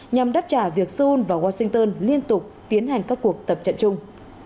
nhằm đáp trả việc seoul và washington liên tục tiến hành các cuộc tập trận chung